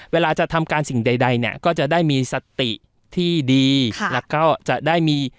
เวลาจะทำการสิ่งใดเนี่ยก็จะได้มีสติที่ดีแล้วก็จะได้มี